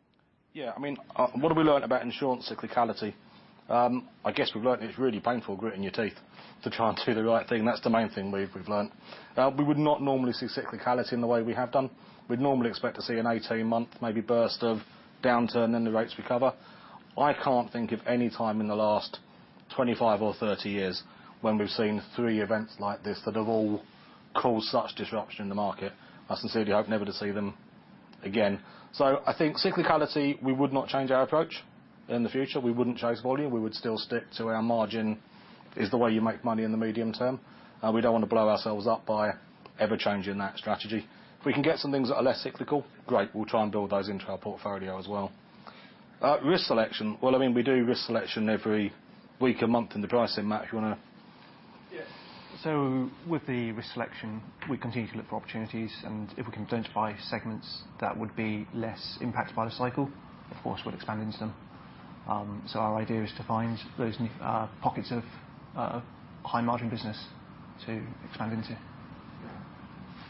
Yeah. I mean, what have we learned about insurance cyclicality? I guess we've learned it's really painful gritting your teeth to try and do the right thing. That's the main thing we've learned. We would not normally see cyclicality in the way we have done. We'd normally expect to see an 18-month maybe burst of downturn, then the rates recover. I can't think of any time in the last 25 or 30 years when we've seen 3 events like this that have all caused such disruption in the market. I sincerely hope never to see them again. I think cyclicality, we would not change our approach in the future. We wouldn't chase volume. We would still stick to our margin is the way you make money in the medium term. We don't want to blow ourselves up by ever changing that strategy. If we can get some things that are less cyclical, great, we'll try and build those into our portfolio as well. Risk selection. Well, I mean, we do risk selection every week and month in the pricing. Matt. Yes. With the risk selection, we continue to look for opportunities, and if we can identify segments that would be less impacted by the cycle, of course, we'll expand into them. Our idea is to find those new pockets of high margin business to expand into. Yeah.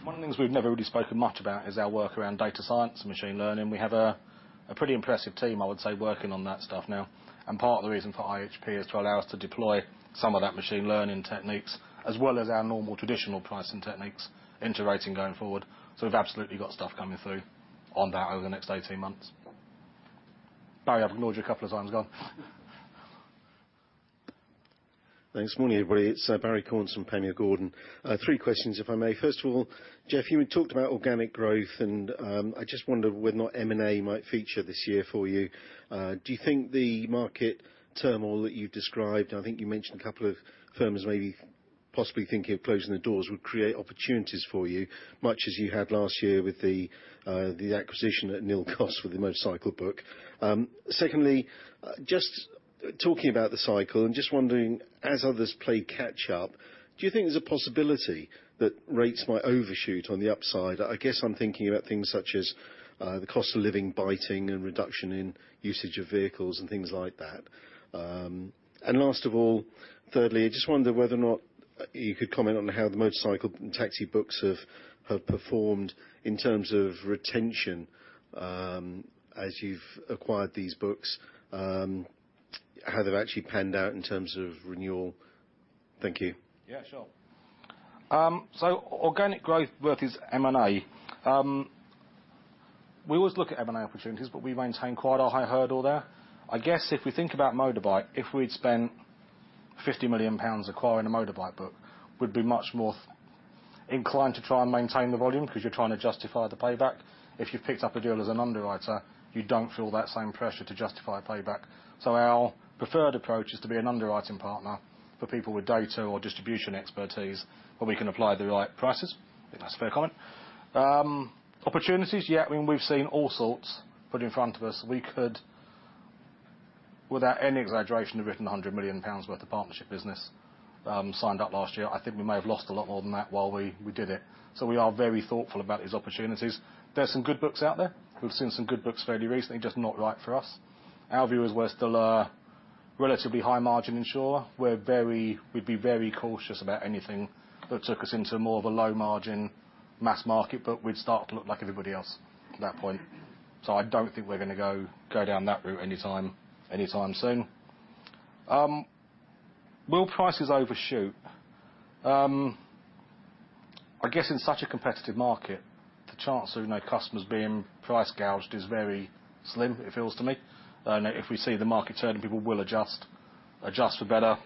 One of the things we've never really spoken much about is our work around data science and machine learning. We have a pretty impressive team, I would say, working on that stuff now. Part of the reason for IHP is to allow us to deploy some of that machine learning techniques as well as our normal traditional pricing techniques into rating going forward. We've absolutely got stuff coming through on that over the next 18 months. Barry, I've ignored you a couple of times now. Thanks. Morning, everybody. It's Tryfonas Spyrou from Panmure Gordon. I have 3 questions, if I may. First of all, Geoff, you had talked about organic growth. I just wondered whether or not M&A might feature this year for you. Do you think the market turmoil that you've described, I think you mentioned a couple of firms maybe possibly thinking of closing their doors, would create opportunities for you much as you had last year with the acquisition at nil cost with the motorcycle book? Secondly, just talking about the cycle and just wondering, as others play catch up, do you think there's a possibility that rates might overshoot on the upside? I guess I'm thinking about things such as the cost of living biting and reduction in usage of vehicles and things like that. Last of all, thirdly, I just wondered whether or not you could comment on how the motorcycle and taxi books have performed in terms of retention, as you've acquired these books, how they've actually panned out in terms of renewal. Thank you. Yeah, sure. Organic growth versus M&A. We always look at M&A opportunities, we maintain quite a high hurdle there. I guess if we think about motorbike, if we'd spent 50 million pounds acquiring a motorbike book, we'd be much more inclined to try and maintain the volume because you're trying to justify the payback. If you've picked up a deal as an underwriter, you don't feel that same pressure to justify payback. Our preferred approach is to be an underwriting partner for people with data or distribution expertise where we can apply the right prices, if that's a fair comment. Opportunities, yeah, I mean, we've seen all sorts put in front of us. We could, without any exaggeration, have written 100 million pounds worth of partnership business, signed up last year. I think we may have lost a lot more than that while we did it. We are very thoughtful about these opportunities. There's some good books out there. We've seen some good books fairly recently, just not right for us. Our view is we're still a relatively high margin insurer. We'd be very cautious about anything that took us into more of a low margin mass market book. We'd start to look like everybody else at that point. I don't think we're going to go down that route anytime soon. Will prices overshoot? I guess in such a competitive market, the chance of, you know, customers being price gouged is very slim, it feels to me. If we see the market turning, people will adjust for better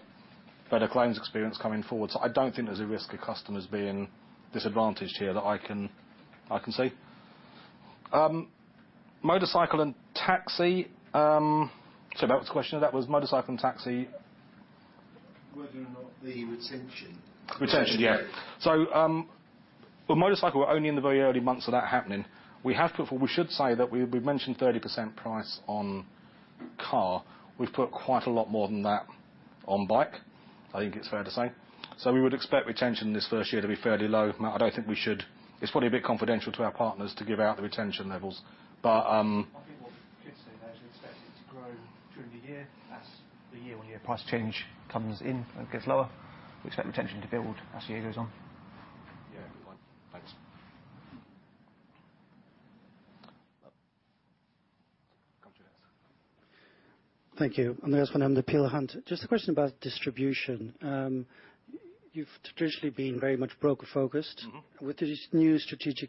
claims experience coming forward. I don't think there's a risk of customers being disadvantaged here that I can see. motorcycle and taxi... Sorry, what was the question? That was motorcycle and taxi... Whether or not the retention- Retention, yeah. Well, motorcycle, we're only in the very early months of that happening. Well, we should say that we've mentioned 30% price on car. We've put quite a lot more than that on bike, I think it's fair to say. We would expect retention this first year to be fairly low. It's probably a bit confidential to our partners to give out the retention levels. But. I think what we could say there is we expect it to grow through the year. As the year-on-year price change comes in and gets lower, we expect retention to build as the year goes on. Yeah. Good one. Thanks. Come to you, yes. Thank you. Andreas van Embden, Peel Hunt. Just a question about distribution. You've traditionally been very much broker-focused. With this new strategic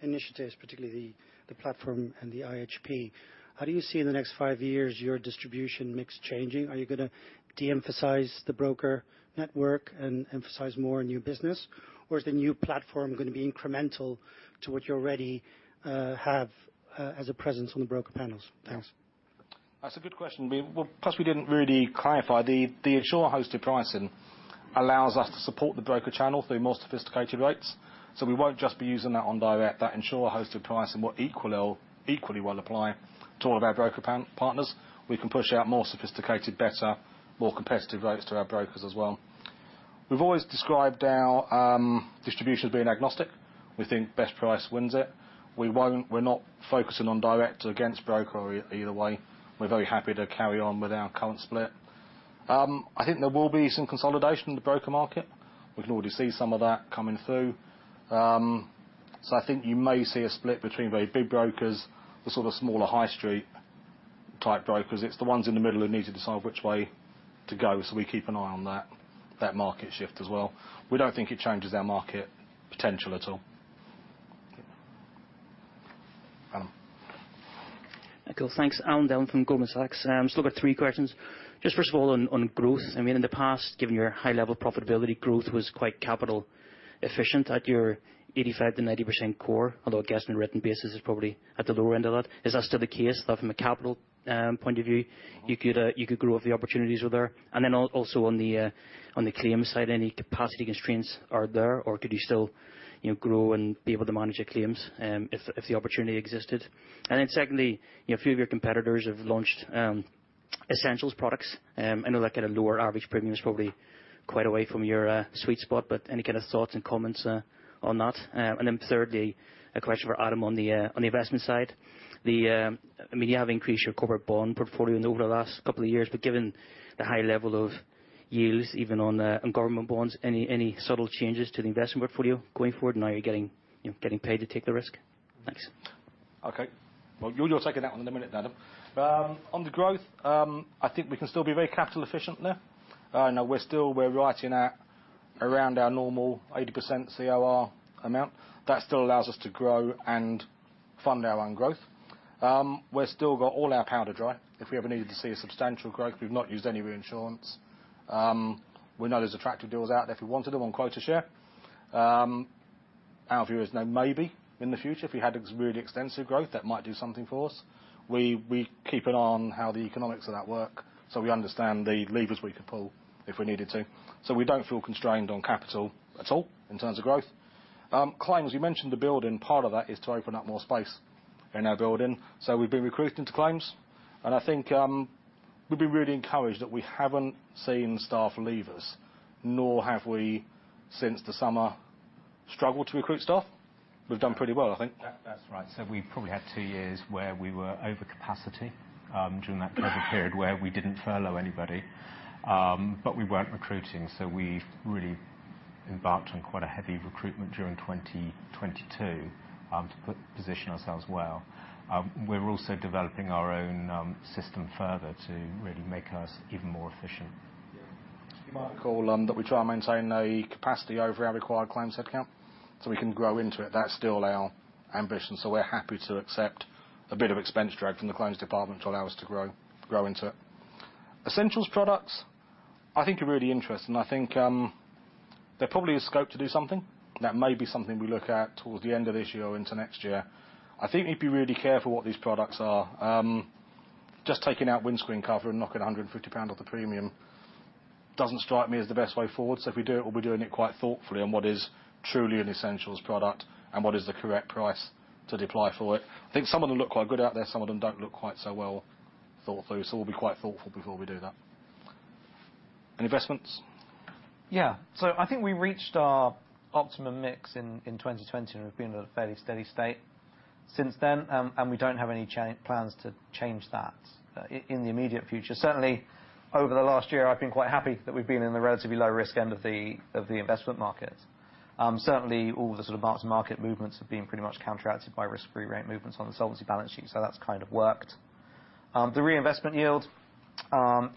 initiatives, particularly the platform and the IHP, how do you see in the next five years your distribution mix changing? Are you gonna de-emphasize the broker network and emphasize more on new business? Or is the new platform gonna be incremental to what you already have as a presence on the broker panels? Thanks. That's a good question. Well, we didn't really clarify. The Insurer-Hosted Pricing allows us to support the broker channel through more sophisticated rates. We won't just be using that on direct. That Insurer-Hosted Pricing will equally well apply to all of our broker partners. We can push out more sophisticated, better, more competitive rates to our brokers as well. We've always described our distribution as being agnostic. We think best price wins it. We're not focusing on direct against broker or either way. We're very happy to carry on with our current split. I think there will be some consolidation in the broker market. We can already see some of that coming through. I think you may see a split between very big brokers, the sort of smaller high street type brokers. It's the ones in the middle who need to decide which way to go. We keep an eye on that market shift as well. We don't think it changes our market potential at all. Adam. Cool, thanks. Adam Avigdori from Goldman Sachs. Still got three questions. Just first of all on growth. I mean, in the past, given your high level profitability, growth was quite capital efficient at your 85%-90% COR, although I'm guessing written basis is probably at the lower end of that. Is that still the case, that from a capital point of view, you could grow if the opportunities were there? And then also on the claims side, any capacity constraints are there or could you still, you know, grow and be able to manage your claims if the opportunity existed? And then secondly, you know, a few of your competitors have launched Essentials products. I know that get a lower average premium is probably quite away from your sweet spot, but any kind of thoughts and comments on that? Thirdly, a question for Adam on the investment side. I mean, you have increased your corporate bond portfolio and over the last couple of years, but given the high level of yields even on government bonds, any subtle changes to the investment portfolio going forward now you're getting, you know, getting paid to take the risk? Thanks. Okay. You'll take that one in a minute then, Adam. On the growth, I think we can still be very capital efficient there. Now we're writing at around our normal 80% COR amount. That still allows us to grow and fund our own growth. We're still got all our powder dry. If we ever needed to see a substantial growth, we've not used any reinsurance. We know there's attractive deals out there if we wanted them on Quota Share. Our view is now maybe in the future, if we had really extensive growth, that might do something for us. We keep an eye on how the economics of that work, we understand the levers we could pull if we needed to. We don't feel constrained on capital at all in terms of growth. claims, you mentioned the building, part of that is to open up more space in our building. We've been recruiting to claims. I think, we've been really encouraged that we haven't seen staff leavers, nor have we, since the summer, struggled to recruit staff. We've done pretty well, I think. That's right. We probably had 2 years where we were over capacity during that COVID period where we didn't furlough anybody. We weren't recruiting, so we've really embarked on quite a heavy recruitment during 2022 to position ourselves well. We're also developing our own system further to really make us even more efficient. You might recall that we try and maintain a capacity over our required claims account, so we can grow into it. That's still our ambition. We're happy to accept a bit of expense drag from the claims department to allow us to grow into it. Essentials products, I think are really interesting. I think there probably is scope to do something. That may be something we look at towards the end of this year or into next year. I think we'd be really careful what these products are. Just taking out windscreen cover and knocking 150 pound off the premium doesn't strike me as the best way forward. If we do it, we'll be doing it quite thoughtfully on what is truly an essentials product and what is the correct price to deploy for it. I think some of them look quite good out there, some of them don't look quite so well thought through. We'll be quite thoughtful before we do that. Investments? I think we reached our optimum mix in 2020, and we've been at a fairly steady state since then. We don't have any plans to change that in the immediate future. Certainly, over the last year, I've been quite happy that we've been in the relatively low risk end of the investment market. Certainly, all the sort of marks and market movements have been pretty much counteracted by risk-free rate movements on the solvency balance sheet. That's kind of worked. The reinvestment yield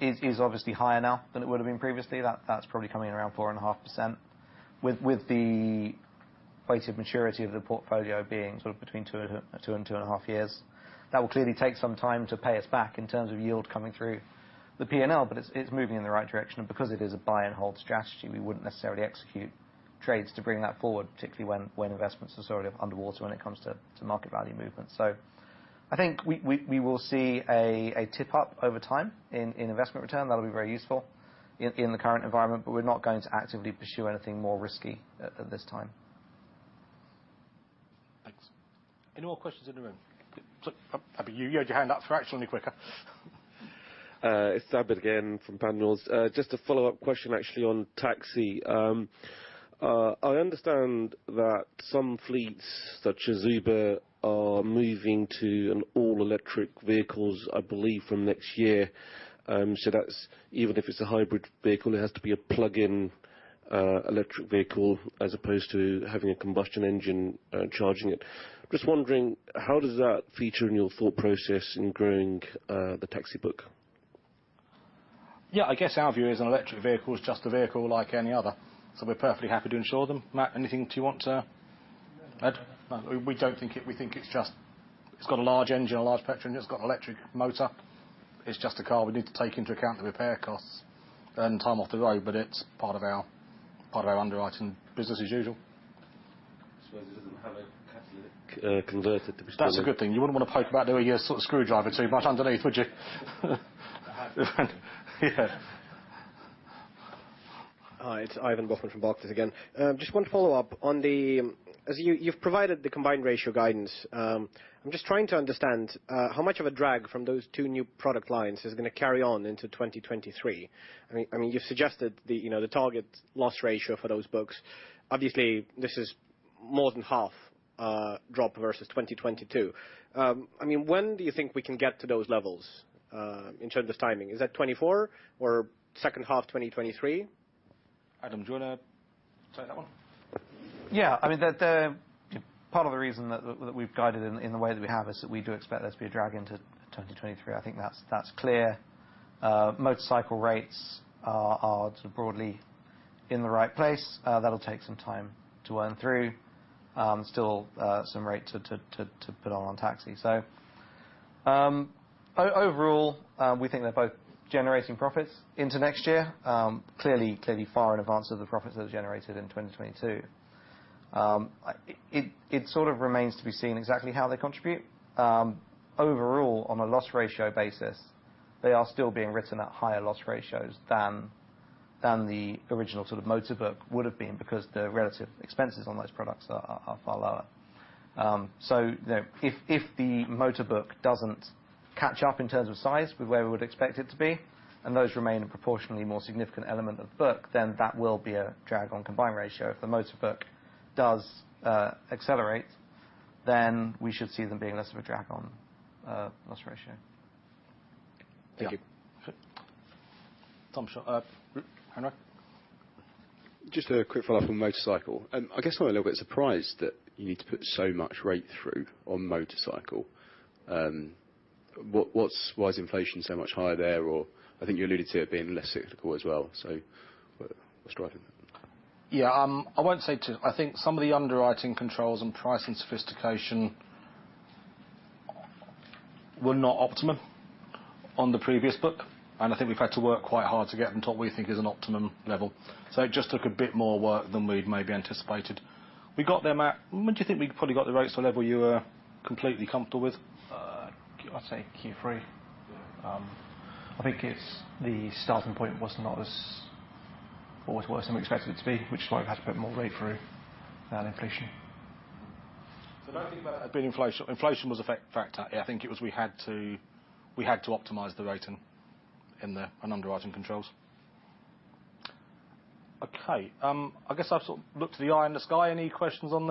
is obviously higher now than it would have been previously. That's probably coming in around 4.5%. With the weighted maturity of the portfolio being sort of between 2 and 2.5 years, that will clearly take some time to pay us back in terms of yield coming through the P&L. It's moving in the right direction. Because it is a buy and hold strategy, we wouldn't necessarily execute trades to bring that forward, particularly when investments are sort of underwater when it comes to market value movements. I think we will see a tip up over time in investment return. That'll be very useful in the current environment, but we're not going to actively pursue anything more risky at this time. Thanks. Any more questions in the room? Abi, you had your hand up for actually quicker. It's Abid again from Panmure's. Just a follow-up question actually on taxi. I understand that some fleets such as Uber are moving to an all-electric vehicles, I believe from next year. That's even if it's a hybrid vehicle, it has to be a plug-in electric vehicle, as opposed to having a combustion engine charging it. Just wondering, how does that feature in your thought process in growing the taxi book? I guess our view is an electric vehicle is just a vehicle like any other, so we're perfectly happy to insure them. Matt, anything you want to add? No. We think it's just, it's got a large engine, a large petrol in it. It's got electric motor. It's just a car. We need to take into account the repair costs and time off the road. It's part of our underwriting business as usual. I suppose it doesn't have a catalytic converter to be stolen. That's a good thing. You wouldn't wanna poke about there with your screwdriver too much underneath, would you? I have. Yeah. Hi, it's Ivan Bokhmat from Barclays again. Just one follow-up. As you've provided the combined ratio guidance. I'm just trying to understand how much of a drag from those two new product lines is gonna carry on into 2023. I mean, you've suggested the, you know, the target loss ratio for those books. Obviously, this is more than half drop versus 2022. I mean, when do you think we can get to those levels in terms of timing? Is that 2024 or second half 2023? Adam, do you wanna take that one? Yeah. I mean, the Part of the reason that we've guided in the way that we have is that we do expect there to be a drag into 2023. I think that's clear. Motorcycle rates are sort of broadly in the right place. That'll take some time to earn through. Still, some rate to put on taxi. Overall, we think they're both generating profits into next year. Clearly far in advance of the profits that are generated in 2022. It sort of remains to be seen exactly how they contribute. Overall, on a loss ratio basis, they are still being written at higher loss ratios than Than the original sort of motor book would have been because the relative expenses on those products are far lower. If the motor book doesn't catch up in terms of size with where we would expect it to be, and those remain a proportionally more significant element of the book, then that will be a drag on combined ratio. If the motor book does accelerate, then we should see them being less of a drag on loss ratio. Thank you. Yeah. Sure. Henry. Just a quick follow-up on motorcycle. I guess I'm a little bit surprised that you need to put so much rate through on motorcycle. Why is inflation so much higher there? I think you alluded to it being less cyclical as well. What's driving that? Yeah, I won't say too. I think some of the underwriting controls and pricing sophistication were not optimum on the previous book, and I think we've had to work quite hard to get them to what we think is an optimum level. It just took a bit more work than we'd maybe anticipated. We got there, Matt. When do you think we probably got the rates to a level you were completely comfortable with? I'd say Q3. I think it's the starting point was worse than we expected it to be, which is why we had to put more rate through that inflation. I don't think that it had been inflation. Inflation was a factor. I think it was we had to optimize the rating and underwriting controls. Okay. I guess I'll sort of look to the eye in the sky. Any questions on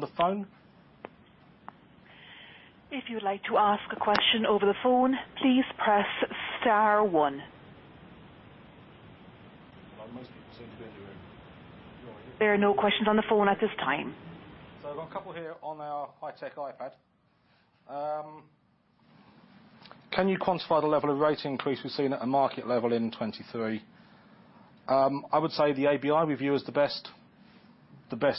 the phone? If you'd like to ask a question over the phone, please press star one. Well, most people seem to be under it. There are no questions on the phone at this time. I've got a couple here on our high-tech iPad. Can you quantify the level of rate increase we've seen at a market level in 23? I would say the ABI review is the best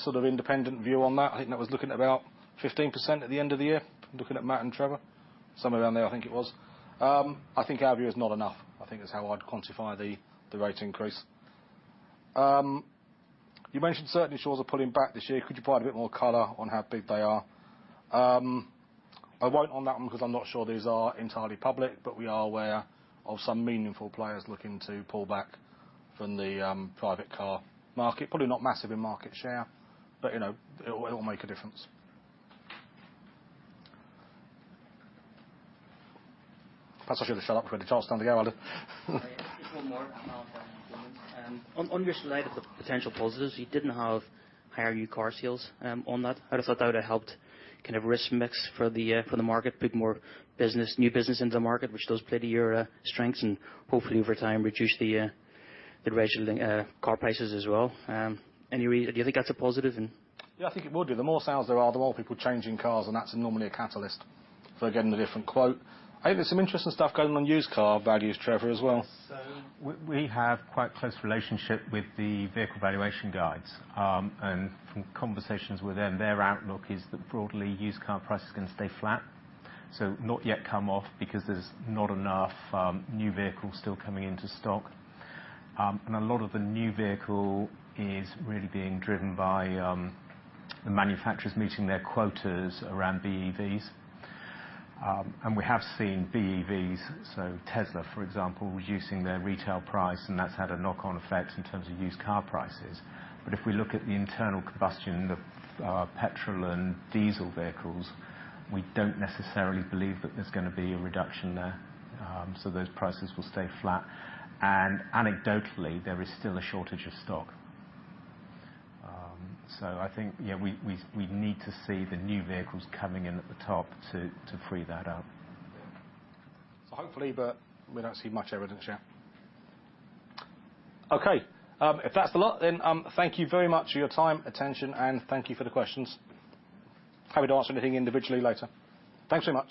sort of independent view on that. I think that was looking at about 15% at the end of the year. I'm looking at Matt and Trevor. Somewhere around there, I think it was. I think our view is not enough. I think is how I'd quantify the rate increase. You mentioned certain insurers are pulling back this year. Could you provide a bit more color on how big they are? I won't on that one 'cause I'm not sure these are entirely public, but we are aware of some meaningful players looking to pull back from the private car market. Probably not massive in market share, but you know, it'll make a difference. Perhaps I should have shut up I'm starting to go on. Just one more. On your slide of the potential positives, you didn't have higher new car sales on that. I'd have thought that would have helped kind of risk mix for the market, put more business, new business into the market, which does play to your strengths and hopefully over time, reduce the ratio of the car prices as well. Do you think that's a positive? Yeah, I think it would be. The more sales there are, the more people changing cars, that's normally a catalyst for getting a different quote. I think there's some interesting stuff going on used car values, Trevor, as well. We have quite close relationship with the vehicle valuation guides. From conversations with them, their outlook is that broadly used car prices can stay flat. Not yet come off because there's not enough new vehicles still coming into stock. A lot of the new vehicle is really being driven by the manufacturers meeting their quotas around BEVs. We have seen BEVs, so Tesla, for example, reducing their retail price, and that's had a knock-on effect in terms of used car prices. If we look at the internal combustion, the petrol and diesel vehicles, we don't necessarily believe that there's gonna be a reduction there. Those prices will stay flat. Anecdotally, there is still a shortage of stock. I think, yeah, we need to see the new vehicles coming in at the top to free that up. Hopefully, but we don't see much evidence yet. Okay, if that's the lot, then, thank you very much for your time, attention, and thank you for the questions. Happy to answer anything individually later. Thanks so much.